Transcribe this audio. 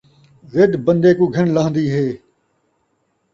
ضد بن٘دے کوں گھن لہن٘دی ہے